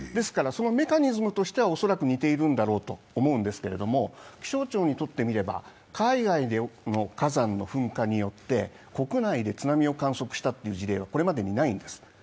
そのメカニズムとしては恐らく似ているんだろうと思うんですけれども、気象庁にとってみれば、海外の火山の噴火によって国内で津波を観測したという事例はこれまでにないんです。